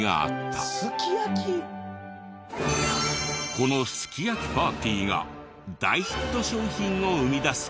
このすき焼きパーティーが大ヒット商品を生み出す事に。